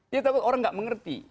dia takut orang nggak mengerti